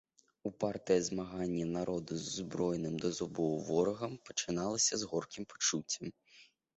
Упартае змаганне народа з узброеным да зубоў ворагам пачыналася з горкім пачуццем.